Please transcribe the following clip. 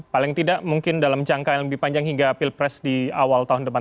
paling tidak mungkin dalam jangka yang lebih panjang hingga pilpres di awal tahun depan